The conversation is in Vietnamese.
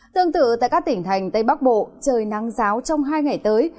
tương tự tại các tỉnh thành tây bắc bộ trời nắng giáo trong hai ngày tới